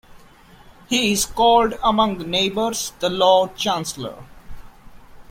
He is called among the neighbours the Lord Chancellor.